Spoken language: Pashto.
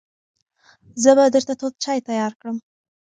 زه به درته تود چای تیار کړم.